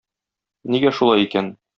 Нигә шулай икән?